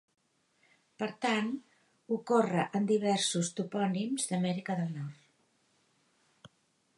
Per tant, ocorre en diversos topònims d'Amèrica del Nord.